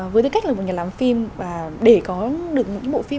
với tư cách là một nhà làm phim và để có được những bộ phim